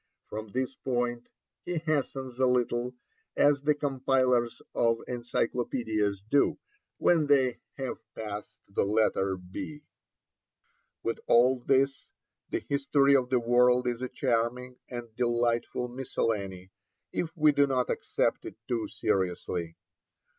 From this point he hastens a little, as the compilers of encyclopædias do when they have passed the letter B. With all this, the History of the World is a charming and delightful miscellany, if we do not accept it too seriously.